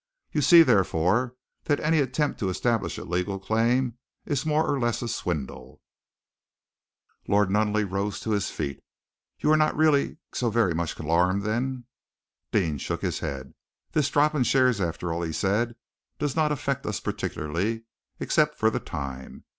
You see, therefore, that any attempt to establish a legal claim is more or less a swindle." Lord Nunneley rose to his feet. "You are really not so very much alarmed, then?" Deane shook his head. "This drop in shares, after all," he said, "does not affect us particularly, except for the time.